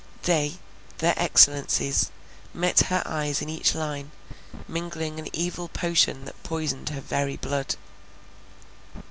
They, their Excellencies, met her eyes in each line, mingling an evil potion that poisoned her very blood.